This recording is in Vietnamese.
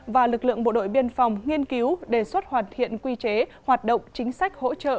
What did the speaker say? và lực lượng bộ đội biên phòng nghiên cứu đề xuất hoàn thiện quy chế hoạt động chính sách hỗ trợ